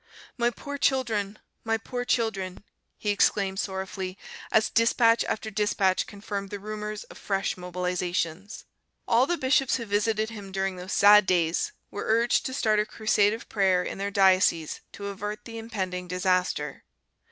"My poor children! My poor children!" he exclaimed sorrowfully as despatch after despatch confirmed the rumours of fresh mobilizations. All the bishops who visited him during those sad days were urged to start a crusade of prayer in their dioceses to avert the impending disaster.